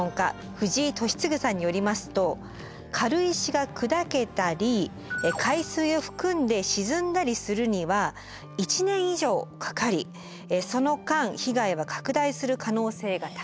藤井敏嗣さんによりますと軽石が砕けたり海水を含んで沈んだりするには１年以上かかりその間被害は拡大する可能性が高い。